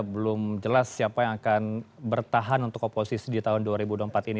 belum jelas siapa yang akan bertahan untuk oposisi di tahun dua ribu dua puluh empat ini